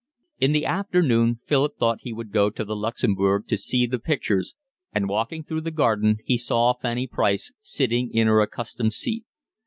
In the afternoon Philip thought he would go to the Luxembourg to see the pictures, and walking through the garden he saw Fanny Price sitting in her accustomed seat.